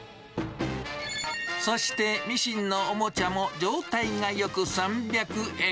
そして、ミシンのおもちゃも状態がよく３００円。